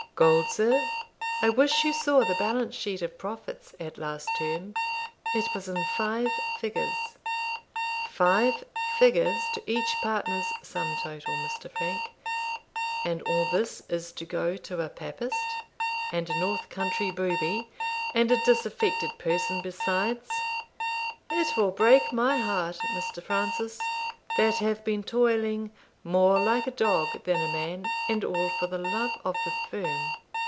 "Gold, sir? I wish you saw the balance sheet of profits at last term It was in five figures five figures to each partner's sum total, Mr. Frank And all this is to go to a Papist, and a north country booby, and a disaffected person besides It will break my heart, Mr. Francis, that have been toiling more like a dog than a man, and all for love of the firm.